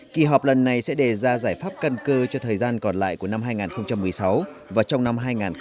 kỳ họp lần này sẽ đề ra giải pháp căn cơ cho thời gian còn lại của năm hai nghìn một mươi sáu và trong năm hai nghìn hai mươi